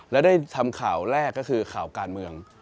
และได้ทำข่าวแรกก็คือข่าวการเมือง